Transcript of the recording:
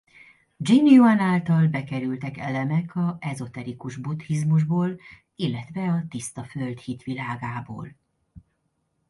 Jin-jüan által bekerültek elemek a ezoterikus buddhizmusból illetve a Tiszta Föld hitvilágából.